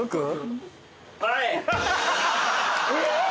えっ！